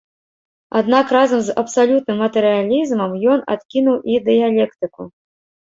Аднак разам з абсалютным матэрыялізмам ён адкінуў і дыялектыку.